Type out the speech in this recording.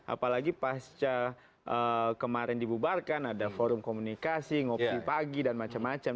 apalagi pasca kemarin dibubarkan ada forum komunikasi ngopi pagi dan macam macam